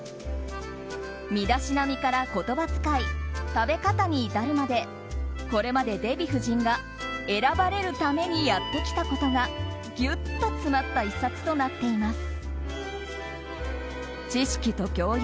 身だしなみから、言葉使い食べ方に至るまでこれまでデヴィ夫人が選ばれるためにやってきたことがギュッと詰まった１冊となっています。